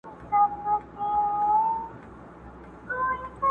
بیا یې نوی سپین کفن ورڅخه وړی!!